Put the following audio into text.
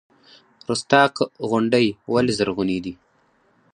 رستاق غونډۍ ولې زرغونې دي؟